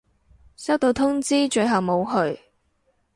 收到通知，最後冇去